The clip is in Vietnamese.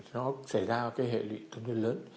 nó sẽ ra hệ lụy thông minh lớn